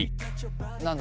何だ？